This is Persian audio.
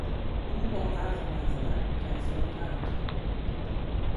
او با عرض معذرت جلسه را ترک کرد.